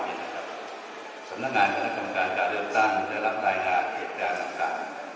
สำนักงานคณะกรรมการการเลือกตั้งได้รับรายงานเหตุการณ์ต่าง